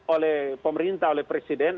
oleh pemerintah oleh presiden